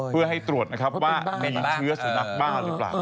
เพื่อให้ตรวจนะครับว่ามีเชื้อสุนัขบ้าหรือเปล่า